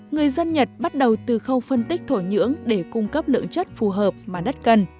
người dân nhật bắt đầu từ khâu phân tích thổ nhưỡng để cung cấp lượng chất phù hợp mà đất cần